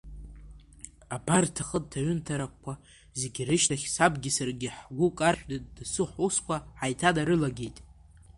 Абарҭ ахынҭа-ҩынҭарақәа зегьы рышьҭахь, сабгьы саргьы ҳгәы каршәны, дасу ҳусқәа ҳаиҭанарылагеит.